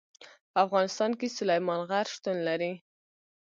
په افغانستان کې سلیمان غر شتون لري.